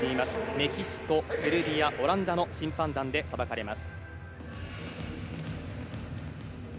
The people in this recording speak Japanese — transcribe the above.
メキシコ、セルビア、オランダの審判団で裁かれます。